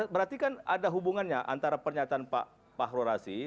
berarti kan ada hubungannya antara pernyataan pak rorasi